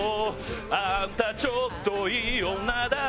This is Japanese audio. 「あんたちょっといい女だったよ」